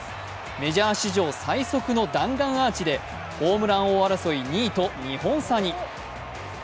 メジャー史上最速の弾丸アーチで、ホームラン王争い２位と２点差に。